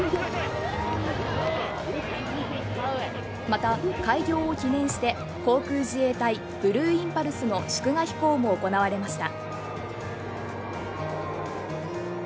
また、開業を記念して航空自衛隊ブルーインパルスの祝賀飛行も行われました。